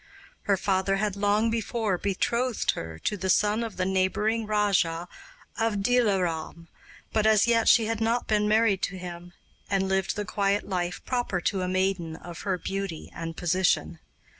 Her father had long before betrothed her to the son of the neighbouring rajah of Dilaram, but as yet she had not been married to him, and lived the quiet life proper to a maiden of her beauty and position.